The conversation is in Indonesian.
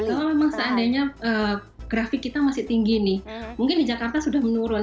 kalau memang seandainya grafik kita masih tinggi nih mungkin di jakarta sudah menurun